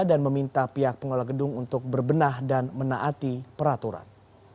dan meminta pihak pengelola gedung untuk berbenah dan menaati peraturan